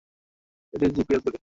এটা জিপিএস ঘড়ি।